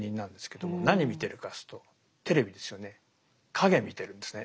影見てるんですね。